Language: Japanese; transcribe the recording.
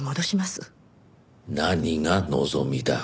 何が望みだ？